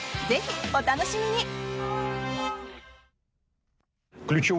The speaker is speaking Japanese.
ぜひ、お楽しみに！